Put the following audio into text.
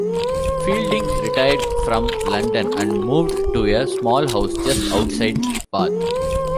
Fielding retired from London and moved to a small house just outside Bath.